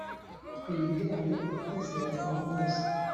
twigane ukwizera kwa mose